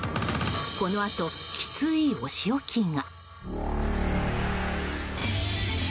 このあと、きついお仕置きが。